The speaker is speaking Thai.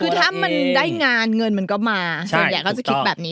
คือถ้ามันได้งานเงินมันก็มาส่วนใหญ่ก็จะคิดแบบนี้